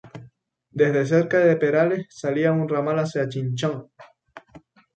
Desde cerca de Perales salía un ramal hacia Chinchón.